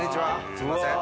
すみません。